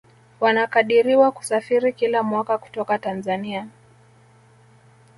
Wanakadiriwa kusafiri kila mwaka kutoka Tanzania